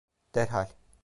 Derhal.